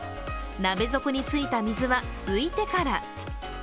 鍋底についた水は拭いてから。